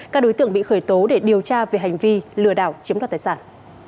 các đối tượng bị khởi tố để điều tra về hành vi lừa đảo chiếm đoạt tài sản